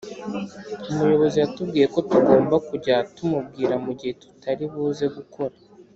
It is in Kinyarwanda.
Umuyobozi yatubwiye ko tugomba kujya tumubwira mugihe tutari buze gukora